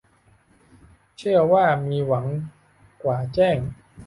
เชื่อว่ามีหวังกว่าแจ้ง